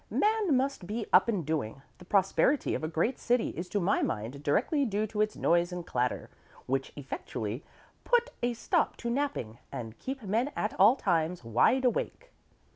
Man must be up and doing. The prosperity of a great city is to my mind directly due to its noise and clatter, which effectually put a stop to napping, and keep men at all times wide awake."